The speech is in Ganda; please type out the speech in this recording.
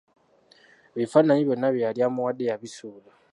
Ebifaananyi byonna bye yali amuwadde yabisuula.